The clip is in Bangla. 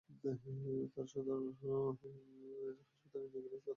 তাঁদের সদর জেনারেল হাসপাতালে নিয়ে গেলে কর্তব্যরত চিকিৎসক মৃত ঘোষণা করেন।